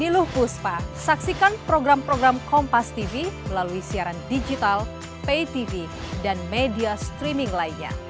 niluh kuspa saksikan program program kompastv melalui siaran digital paytv dan media streaming lainnya